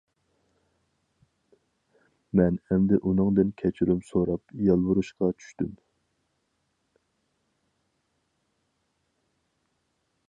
مەن ئەمدى ئۇنىڭدىن كەچۈرۈم سوراپ يالۋۇرۇشقا چۈشتۈم.